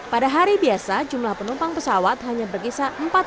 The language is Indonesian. pada hari biasa jumlah penumpang pesawat hanya berkisah empat